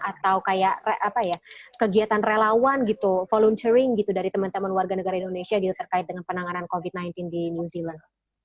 atau kayak apa ya kegiatan relawan gitu volunteering gitu dari teman teman warga negara indonesia gitu terkait dengan penanganan covid sembilan belas di new zealand